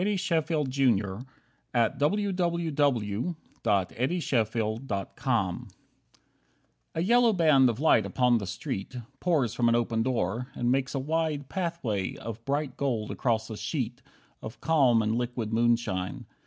POPPY SEED The Great Adventure of Max Breuck 1 A yellow band of light upon the street Pours from an open door, and makes a wide Pathway of bright gold across a sheet Of calm and liquid moonshine.